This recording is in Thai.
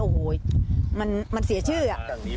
โอ้โหมันเสียชื่ออ่ะ